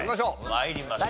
参りましょう。